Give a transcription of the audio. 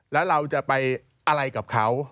แล้วเราจะไปอะไรกับเขา